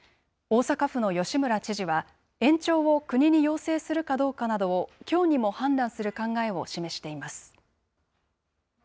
大阪府の吉村知事は、延長を国に要請するかどうかなどをきょうにも判断する考えを示しています。